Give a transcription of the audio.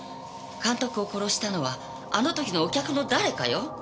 監督を殺したのはあの時のお客の誰かよ。